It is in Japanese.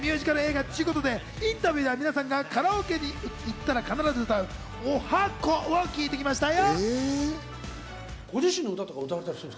今回ミュージカル映画っちゅうことで、インタビューでは皆さんがカラオケに行ったら必ず歌う、十八番を聞いてきましたよ！